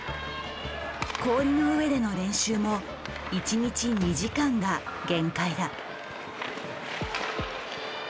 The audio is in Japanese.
氷の上での練習も一日２時間が限界だ。